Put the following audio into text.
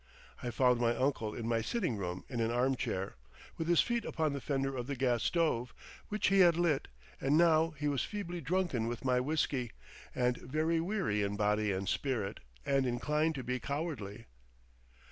I found my uncle in my sitting room in an arm chair, with his feet upon the fender of the gas stove, which he had lit, and now he was feebly drunken with my whisky, and very weary in body and spirit, and inclined to be cowardly.